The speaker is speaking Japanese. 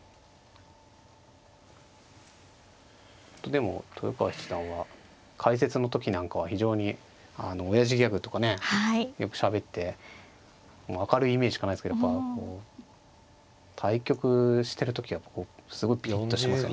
でも豊川七段は解説の時なんかは非常におやじギャグとかねよくしゃべって明るいイメージしかないですけどやっぱ対局してる時はすごいピッとしてますよね。